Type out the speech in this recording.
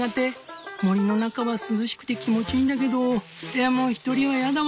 森の中は涼しくて気持ちいいんだけどでも１人はやだ